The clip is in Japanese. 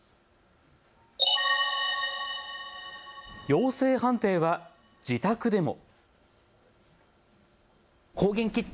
陽性判定は自宅でも。